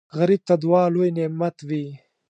غریب ته دعا لوی نعمت وي